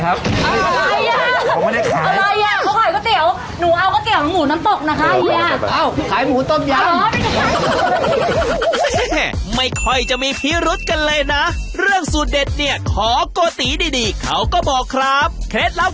เฮ้ยเมื่อกี้จากอะไรนะ